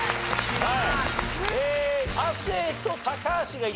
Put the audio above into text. はい。